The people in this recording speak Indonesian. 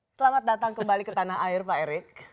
selamat datang kembali ke tanah air pak erik